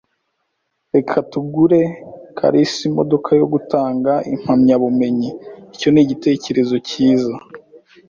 "Reka tugure kalisa imodoka yo gutanga impamyabumenyi" "" Icyo ni igitekerezo cyiza "